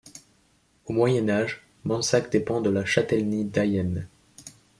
Au Moyen-Âge, Mansac dépend de la châtellenie d'Ayen.